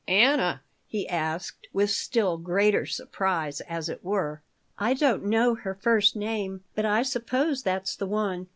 "Anna?" he asked, with still greater surprise, as it were "I don't know her first name, but I suppose that's the one."